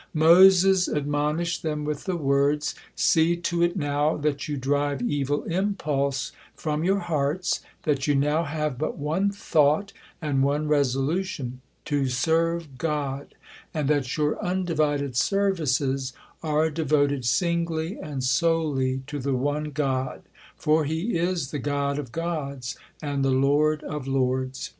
Moses admonished them with the words: "See to it now that you drive evil impulse from your hearts, that you now have but one thought and one resolution, to serve God; and that your undivided services are devoted singly and solely to the one God, for He is the God of gods and the Lord of lords.